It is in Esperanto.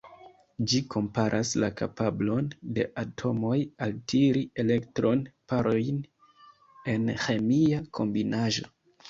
Ĝi komparas la kapablon de atomoj altiri elektron-parojn en ĥemia kombinaĵo.